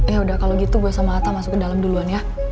yaudah kalo gitu gue sama atta masuk ke dalam duluan ya